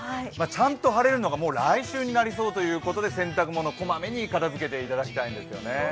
ちゃんと晴れるのがもう来週になりそうということで洗濯物、小まめに片づけていただきたいんですよね。